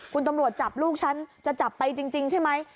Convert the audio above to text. คุณตำรวจจับลูกฉันจะจับไปจริงใช่ไหม